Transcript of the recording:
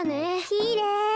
きれい。